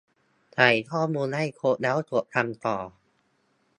ใส่ข้อมูลให้ครบ แล้วกด ทำต่อ